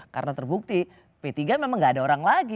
karena terbukti p tiga memang tidak ada orang lagi